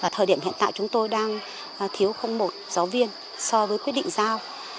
thời điểm hiện tại chúng tôi đang thiếu không một giáo viên so với quy định giao